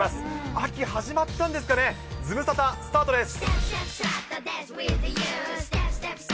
秋始まったんですかね、ズムサタ、スタートです。